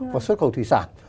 và xuất khẩu thủy sản